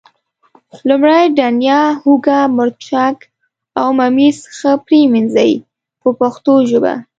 لومړی دڼیا، هوګه، مرچک او ممیز ښه پرېمنځئ په پښتو ژبه.